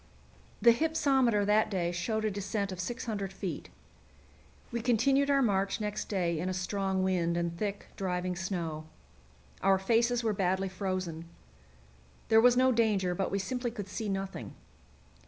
The hypsometer that day showed a descent of 600 feet. We continued our march next day in a strong wind and thick, driving snow. Our faces were badly frozen. There was no danger, but we simply could see nothing.